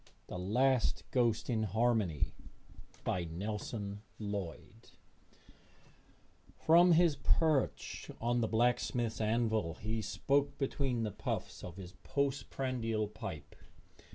The Last Ghost in Harmony BY NELSON LLOYD From his perch on the blacksmith's anvil he spoke between the puffs of his post prandial pipe.